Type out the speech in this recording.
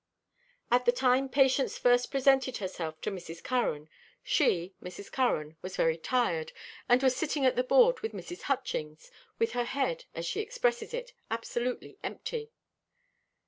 At the time Patience first presented herself to Mrs. Curran, she (Mrs. Curran) was very tired, and was sitting at the board with Mrs. Hutchings, with her head, as she expresses it, absolutely empty.